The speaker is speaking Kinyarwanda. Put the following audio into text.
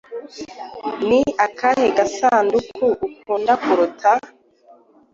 Ni akahe gasanduku ukunda kuruta?